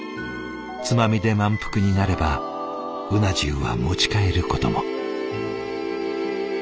つまみで満腹になればうな重は持ち帰ることも。